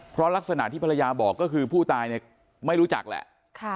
เพราะลักษณะที่ภรรยาบอกก็คือผู้ตายเนี่ยไม่รู้จักแหละ